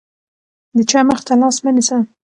د چا مخې ته لاس مه نیسه.